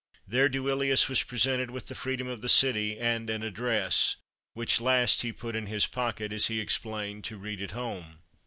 There Duilius was presented with the freedom of the city and an address, which last he put in his pocket, as he explained, to read at home.